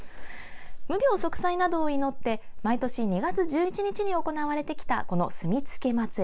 無病息災などを祈って毎年２月１１日に行われてきたこの、すみつけ祭。